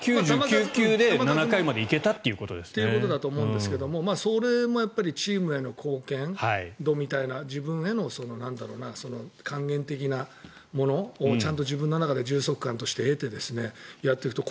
９９球で７回まで行けたということですね。ということだと思うんですがそれもチームへの貢献度みたいな自分への還元的なものをちゃんと自分の中で充足感として得てやっていくと。